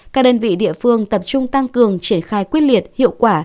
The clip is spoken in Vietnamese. các đơn vị địa phương tập trung tăng cường triển khai quyết liệt hiệu quả